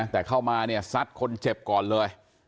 แต่เข้ามาเนี่ยซัดคนเจ็บก่อนเลย